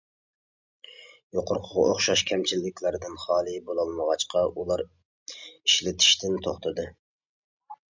يۇقىرىقىغا ئوخشاش كەمچىللىكلەردىن خالى بولالمىغاچقا ئۇلار ئىشلىتىشتىن توختىدى.